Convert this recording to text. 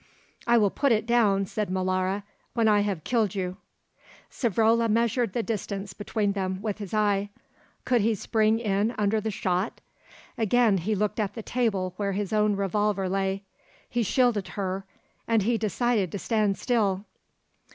"I will put it down," said Molara, "when I have killed you." Savrola measured the distance between them with his eye. Could he spring in under the shot? Again he looked at the table where his own revolver lay. He shielded her, and he decided to stand still.